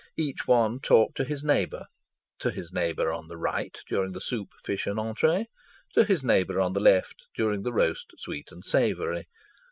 Each one talked to his neighbour; to his neighbour on the right during the soup, fish, and entree; to his neighbour on the left during the roast, sweet, and savoury.